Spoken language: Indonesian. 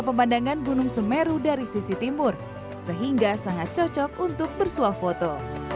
pemandangan gunung semeru dari sisi timur sehingga sangat cocok untuk bersuah foto